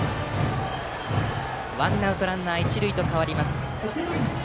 ワンアウトランナー、一塁と変わります。